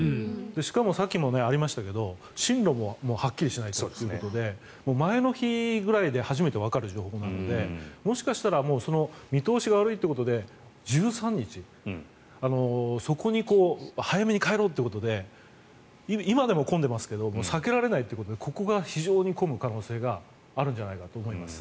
しかも、さっきもありましたが進路もはっきりしないということで前の日ぐらいで初めてわかる情報なのでもしかしたら見通しが悪いということで１３日、そこに早めに帰ろうということで今でも混んでいますけど避けられないということでここが非常に混む可能性があるんじゃないかと思います。